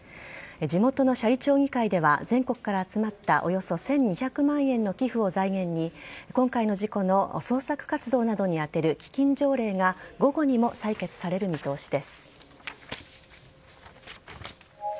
地元の斜里町議会では全国から集まったおよそ１２００万円の寄付を財源に今回の事故の捜索活動などに充てる基金条例が午後にも採決される見通しです。